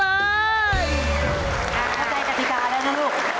กลางใจกติกาได้นะลูก